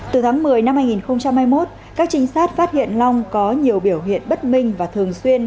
từ tháng một mươi năm hai nghìn hai mươi một các trinh sát phát hiện long có nhiều biểu hiện bất minh và thường xuyên